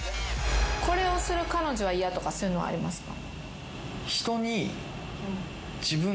これをする彼女は嫌とかそういうのはありますか？